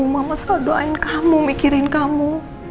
mama suka doain kamu mikirin kamu